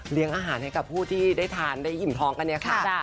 อาหารให้กับผู้ที่ได้ทานได้อิ่มท้องกันเนี่ยค่ะ